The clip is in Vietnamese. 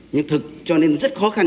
nhưng thực cho nên rất khó khăn